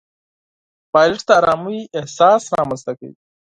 پیلوټ د آرامۍ احساس رامنځته کوي.